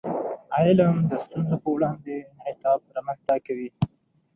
علم د ستونزو په وړاندې انعطاف رامنځته کوي.